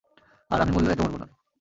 আর, আমি মরলেও একা মরব না!